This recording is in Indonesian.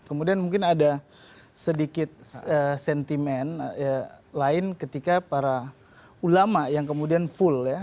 kemudian mungkin ada sedikit sentimen lain ketika para ulama yang kemudian full ya